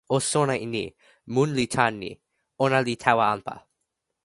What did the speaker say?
o sona e ni: mun li tan ni: ona li tawa anpa.